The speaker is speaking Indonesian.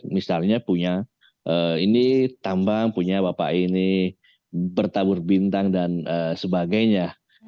misalnya punya ini tambang punya bapak ini bertabur bintang dan sebagainya